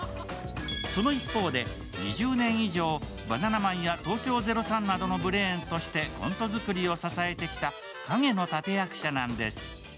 その一方で、２０年以上、バナナマンや東京０３などのブレーンとしてコント作りを支えてきた陰の立役者なんです。